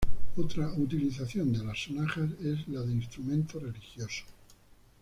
Otra utilización de las sonajas es la de instrumento religioso.